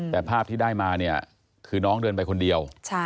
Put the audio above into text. แต่ภาพที่ได้มาเนี่ยคือน้องเดินไปคนเดียว